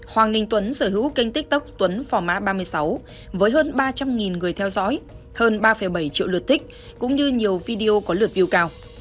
hoàng minh tuấn sở hữu kênh tiktok tuấn phò mã ba mươi sáu với hơn ba trăm linh người theo dõi hơn ba bảy triệu lượt thích cũng như nhiều video có lượt view cao